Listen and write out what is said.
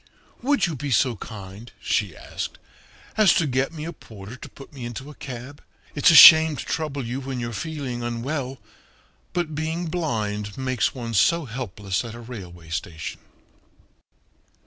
"Would you be so kind," she asked, "as to get me a porter to put me into a cab? It's a shame to trouble you when you're feeling unwell, but being blind makes one so helpless at a railway station."